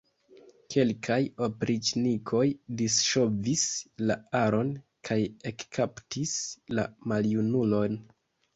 Kelkaj opriĉnikoj disŝovis la aron kaj ekkaptis la maljunulon.